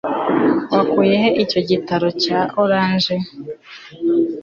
Wakuye he kiriya gitambaro cya orange